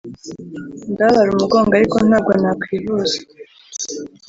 Ndababara umugongo ariko ntabwo nakwivuza